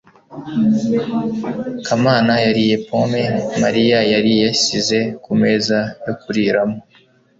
kamana yariye pome mariya yari yasize ku meza yo kuriramo